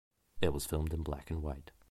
It was filmed in black and white.